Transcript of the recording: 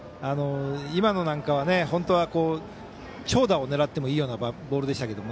今のなんかは、本当は長打を狙ってもいいようなボールでしたけど。